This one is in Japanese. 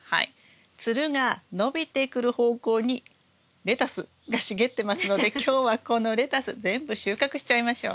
つるが伸びてくる方向にレタスが茂ってますので今日はこのレタス全部収穫しちゃいましょう。